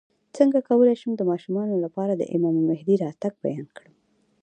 څنګه کولی شم د ماشومانو لپاره د امام مهدي راتګ بیان کړم